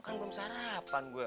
kan belum sarapan gue